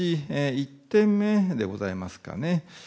１点目でございますかね。